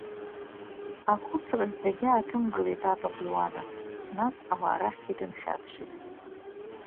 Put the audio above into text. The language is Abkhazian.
Ахәыцраз дагьааҭымгылеит апап Иуана, нас ауаа рахьгьы дынхьаԥшит…